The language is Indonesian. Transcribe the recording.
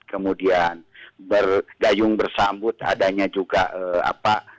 kemudian bergayung bersambut adanya juga apa